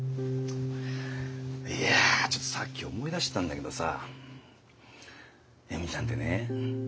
いやちょっとさっき思い出したんだけどさ恵美ちゃんってね